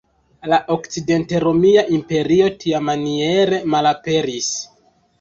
La Okcident-Romia Imperio tiamaniere malaperis.